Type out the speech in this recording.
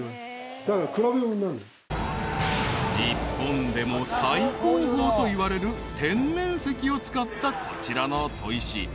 ［日本でも最高峰といわれる天然石を使ったこちらの砥石］